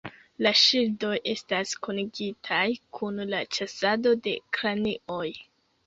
La ŝildoj estas kunigitaj kun la ĉasado de kranioj.